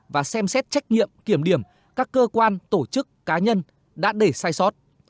và xem xét trách nhiệm kiểm điểm các cơ quan tổ chức cá nhân đã để sai sót